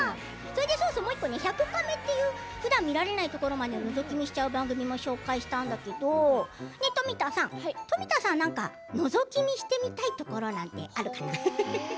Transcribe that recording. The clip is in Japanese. もう１個、「１００カメ」というふだん見られないところまでのぞき見しちゃう番組も紹介したんだけど富田さん何か、のぞき見してみたいところなんてあるかな？